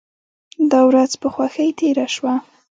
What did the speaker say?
دا ورځ په خوښۍ تیره شوه.